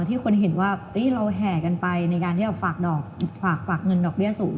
ที่คนเห็นว่าเราแห่กันไปในการที่จะฝากเงินดอกเบี้ยสูง